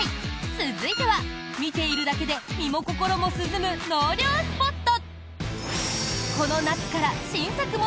続いては見ているだけで身も心も涼む納涼スポット。